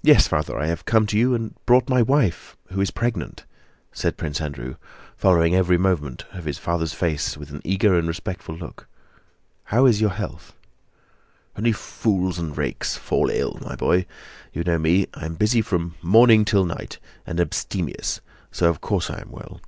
"Yes, Father, I have come to you and brought my wife who is pregnant," said Prince Andrew, following every movement of his father's face with an eager and respectful look. "How is your health?" "Only fools and rakes fall ill, my boy. You know me: I am busy from morning till night and abstemious, so of course I am well."